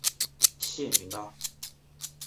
谢米拉。